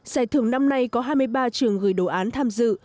giải thưởng năm nay có hai mươi ba trường gửi đồ án tham dự